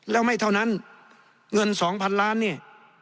แล้วไม่เท่านั้นเงิน๒๐๐๐ล้านเนี่ย